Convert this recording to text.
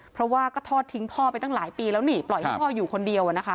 เพราะว่าก็ทอดทิ้งพ่อไปตั้งหลายปีแล้วนี่ปล่อยให้พ่ออยู่คนเดียวนะคะ